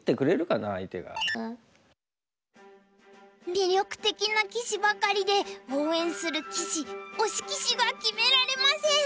魅力的な棋士ばかりで応援する棋士推し棋士が決められません！